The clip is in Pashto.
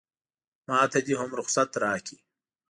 ماته دې هم رخصت راکړي.